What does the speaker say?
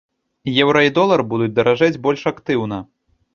Еўра і долар будуць даражэць больш актыўна.